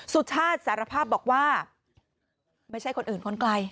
สุชาติสารภาพบอกว่าไม่ใช่คนอื่นคนไกล